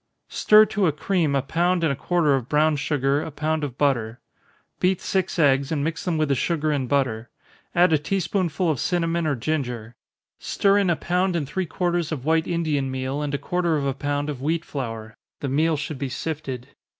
_ Stir to a cream a pound and a quarter of brown sugar, a pound of butter beat six eggs, and mix them with the sugar and butter add a tea spoonful of cinnamon or ginger stir in a pound and three quarters of white Indian meal, and a quarter of a pound of wheat flour, (the meal should be sifted.)